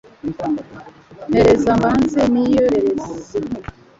mpereza mbanze niyorere izi nkwi